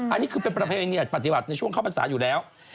อันนี้คือเป็นประเพณีปฏิบัติในช่วงเข้าพรรษาอยู่แล้ว